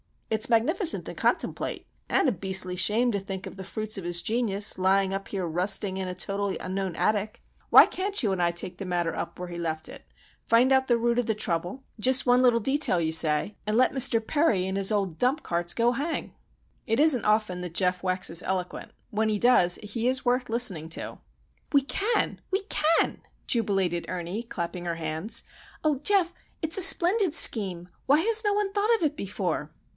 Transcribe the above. It's magnificent to contemplate,—and a beastly shame to think of the fruits of his genius lying up here rusting in a totally unknown attic! Why can't you and I take the matter up where he left it, find out the root of the trouble,—just one little detail, you say,—and let Mr. Perry and his old dump carts go hang?" It isn't often that Geof waxes eloquent. When he does he is worth listening to. "We can! we can!" jubilated Ernie, clapping her hands. "Oh, Geof, it's a splendid scheme! Why has no one thought of it before?"